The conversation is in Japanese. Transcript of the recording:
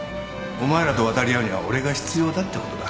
お前らと渡り合うには俺が必要だってことだ。